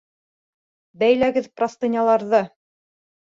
Бәйләгеҙ простыняларҙы!